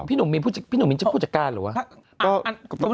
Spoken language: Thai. พี่หนุ่มมีนจะผู้จัดการเหรอวะ